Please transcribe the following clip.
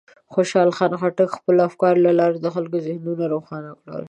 خوشحال خان خټک د خپلو افکارو له لارې د خلکو ذهنونه روښانه کړل.